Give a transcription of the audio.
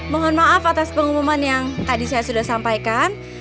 mohon maaf atas pengumuman yang tadi saya sudah sampaikan